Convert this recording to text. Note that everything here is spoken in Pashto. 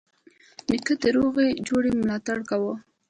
نیکه د روغي جوړې ملاتړ کوي.